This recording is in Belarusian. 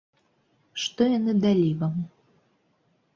Што яны далі вам?